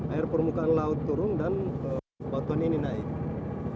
air permukaan laut turun dan batu batu ini berada di laut